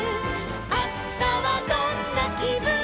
「あしたはどんなきぶんかな」